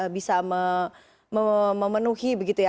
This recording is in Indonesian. bisa memenuhi begitu ya